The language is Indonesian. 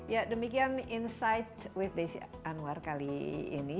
ya demikian insight with desi anwar kali ini